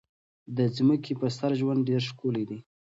د ځمکې په سر ژوند ډېر ښکلی دی.